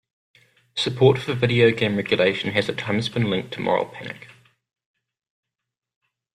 Support for video game regulation has at times been linked to moral panic.